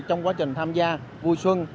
trong quá trình tham gia vui xuân